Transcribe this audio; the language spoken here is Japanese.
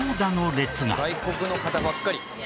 外国の方ばっかり。